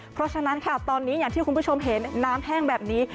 เพราะฉะนั้นค่ะตอนนี้อย่างที่คุณผู้ชมเห็นน้ำแห้งแบบนี้